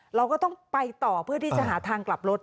เราก็ต้องไปต่อเพื่อที่จะหาทางกลับรถ